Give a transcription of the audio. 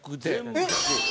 えっ！